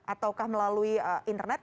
ataukah melalui internet